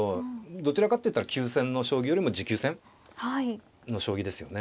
どちらかって言ったら急戦の将棋よりも持久戦の将棋ですよね。